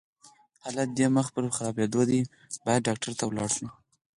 حالت دې مخ پر خرابيدو دی، بايد ډاکټر ته ولاړ شې!